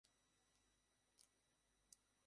একটা নতুন পরিবার খুঁজে নিয়েছি।